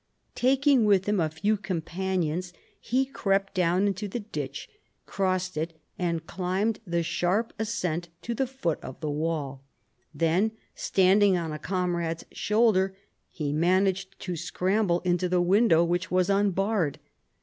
Taking with him a few companions, he crept down into the ditch, crossed it, and climbed the sharp ascent to the foot of the wall. Then, standing on a comrade's shoulder, he managed to scramble into the window, which was unbarred.